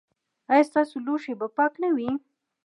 ایا ستاسو لوښي به پاک نه وي؟